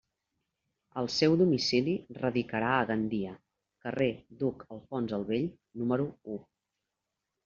El seu domicili radicarà a Gandia, carrer Duc Alfons el Vell número u.